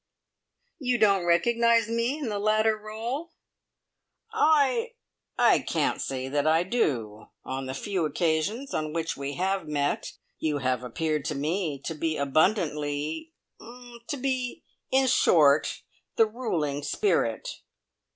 "You don't recognise me in the latter role?" "I er I can't say that I do! On the few occasions on which we have met, you have appeared to me to be abundantly er to be, in short, the ruling spirit."